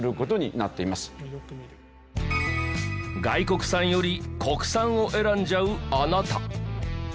外国産より国産を選んじゃうあなた。